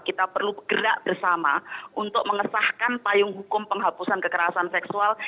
kita perlu gerak bersama untuk mengesahkan payung hukum penghapusan kekerasan seksual